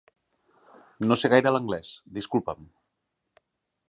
No sé gaire l'anglés, disculpa'm.